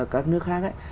các nước khác